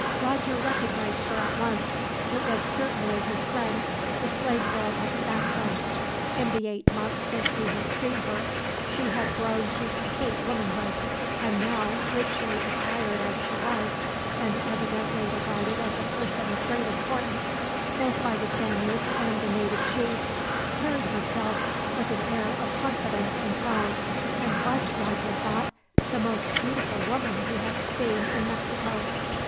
Roger recognized her at once it was certainly his friend, the slave girl of Tabasco. In the eight months since he had seen her, she had grown to complete womanhood; and now richly attired as she was, and evidently regarded as a person of great importance, both by the Spaniards and the native chiefs carried herself with an air of confidence and pride; and was, Roger thought, the most beautiful woman he had seen in Mexico.